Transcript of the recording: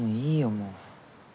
もう。